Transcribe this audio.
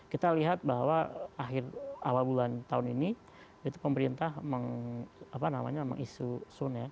kita lihat bahwa awal bulan tahun ini itu pemerintah mengisun ya